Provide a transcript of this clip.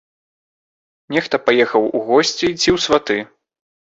Нехта паехаў у госці ці ў сваты.